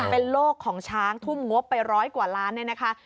เป็นโลกของช้างทุ่มงบไปร้อยกว่าล้านเนี่ยนะคะ